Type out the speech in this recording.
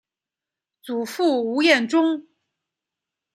祖父吴彦忠。